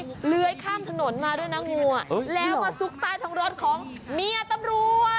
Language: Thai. เผื่อเรื่อยค่ำถนนมาด้วยนะโหแล้วมาซุกใต้ทั้งรถของเมียตำรวจ